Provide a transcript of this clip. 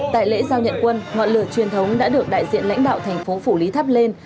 tại lễ giao nhận quân ngọn lửa truyền thống đã được đại diện lãnh đạo thành phố phủ lý thắp lên